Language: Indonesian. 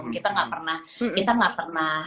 kita gak pernah